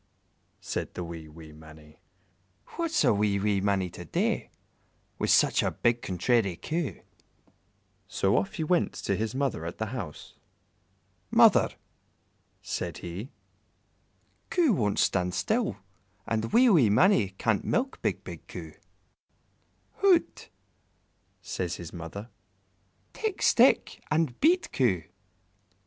said the wee, wee Mannie "What's a wee, wee mannie to do, Wi' such a big contrairy Coo?" So off he went to his mother at the house. "Mother," said he, "Coo won't stand still, and wee, wee Mannie can't milk big, big Coo." "Hout!" says his mother, "take stick and beat Coo."